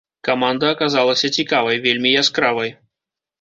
Каманда аказалася цікавай, вельмі яскравай.